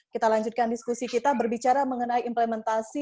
kita lanjutkan diskusi kita berbicara mengenai implementasi